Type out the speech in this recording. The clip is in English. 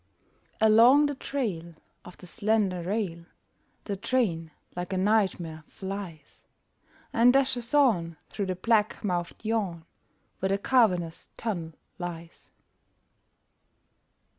Along the trail Of the slender rail The train, like a nightmare, flies And dashes on Through the black mouthed yawn Where the cavernous tunnel lies.